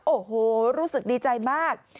โอ้โหรู้สึกดีใจมาก